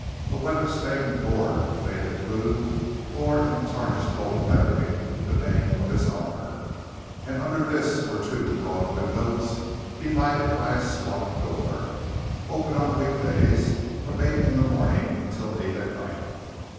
A weather stained board of faded blue bore in tarnished gold lettering the name of its owner, and under this were two broad windows divided by a squat door, open on week days from eight in the morning until eight at night.